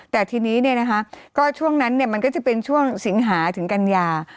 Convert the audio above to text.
แต่ทีนี้เนี่ยนะคะก็ช่วงนั้นเนี่ยมันก็จะเป็นช่วงสิงหาถึงกัญญา